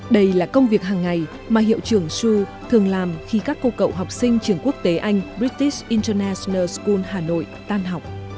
đây là công việc hàng ngày mà hiệu trưởng xu thường làm khi các cô cậu học sinh trường quốc tế anh british international school hà nội tan học